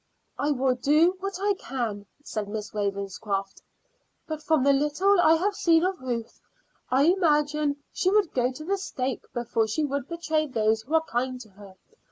"I will do what I can," said Miss Ravenscroft; "but from the little I have seen of Ruth, I imagine she would go to the stake before she would betray those who are kind to her.